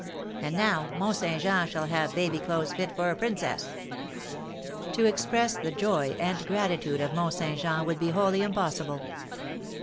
And now, Mont Saint Jean shall have baby clothes fit for a princess." To express the joy and gratitude of Mont Saint Jean would be wholly impossible.